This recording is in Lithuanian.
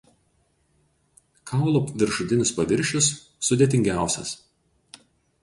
Kaulo viršutinis paviršius sudėtingiausias.